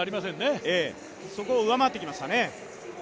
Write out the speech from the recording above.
そこを上回ってきましたね。